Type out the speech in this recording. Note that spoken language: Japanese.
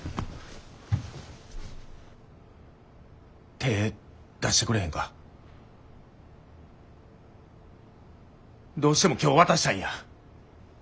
手ぇ出してくれへんか。どうしても今日渡したいんや。